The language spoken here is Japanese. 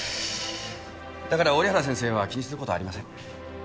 だから折原先生は気にする事ありません。